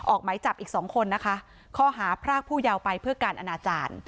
ออกไหมจับอีกสองคนนะคะข้อหาพรากผู้ยาวไปเพื่อการอนาจารย์